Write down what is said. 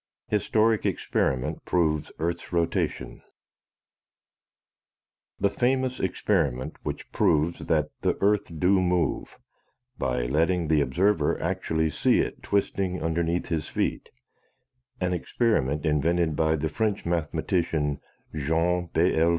HISTORIC EXPERIMENT PROVES EARTH'S ROTATION The famous experiment which proves that the "earth do move" by letting the observer actually see it twisting underneath his feet, an experiment invented by the French mathematician Jean B. L.